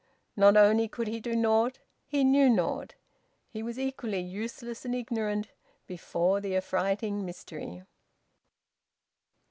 Not only could he do naught, he knew naught! He was equally useless and ignorant before the affrighting mystery.